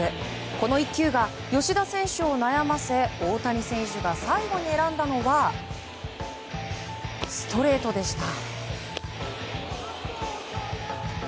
この１球が吉田選手を悩ませ大谷選手が最後に選んだのはストレートでした。